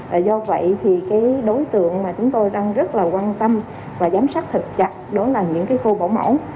và do vậy thì cái đối tượng mà chúng tôi đang rất là quan tâm và giám sát thật chặt đó là những cái khu bảo mẫu